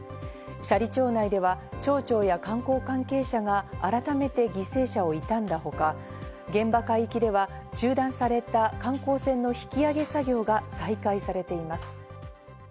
斜里町内では町長や観光関係者が改めて犠牲者を悼んだほか、現場海域では中断された観光船の引き揚げ作業が再開されています。